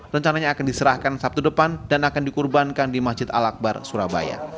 rencananya akan diserahkan sabtu depan dan akan dikurbankan di masjid al akbar surabaya